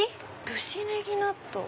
「ぶしねぎ納豆」。